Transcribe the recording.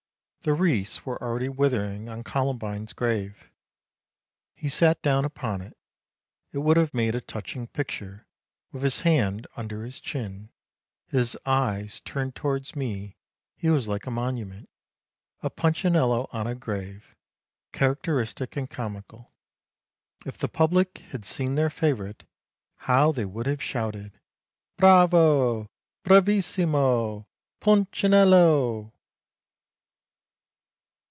The wreaths were already withering on Columbine's grave. He sat down upon it. It would have made a touching picture, with his hand under his chin, his eyes turned towards me; he was like a monument, a Punchinello on a grave, characteristic and comical. If the public had seen their favourite, how they would have shouted, ' Bravo! Bravissimo! Punchinello.'